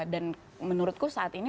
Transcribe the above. dan menurutku saat ini